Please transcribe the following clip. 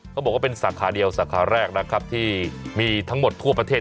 เขาบอกว่าเป็นสาขาเดียวสาขาแรกนะครับที่มีทั้งหมดทั่วประเทศ